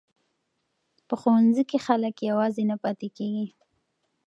په ښوونځي کې خلک یوازې نه پاتې کیږي.